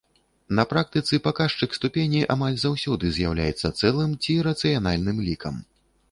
На практыцы паказчык ступені амаль заўсёды з'яўляецца цэлым ці рацыянальным лікам.